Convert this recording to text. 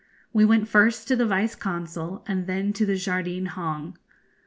We went first to the Vice Consul, and then to the Jardine Hong.